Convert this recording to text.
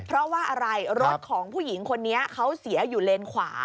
เพราะว่าอะไรรถของผู้หญิงคนนี้เขาเสียอยู่เลนขวา